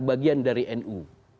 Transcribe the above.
bagian dari nu